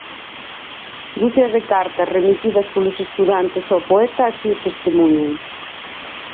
Ducias de cartas remitidas polos estudantes ao poeta así o testemuñan.